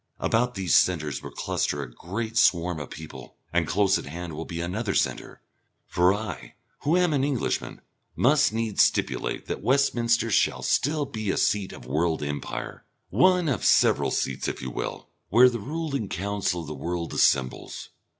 About these centres will cluster a great swarm of people, and close at hand will be another centre, for I who am an Englishman must needs stipulate that Westminster shall still be a seat of world Empire, one of several seats, if you will where the ruling council of the world assembles.